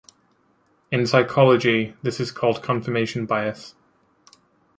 In psychology, this is called confirmation bias.